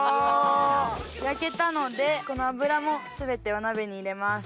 焼けたのでこの脂も全てお鍋に入れます。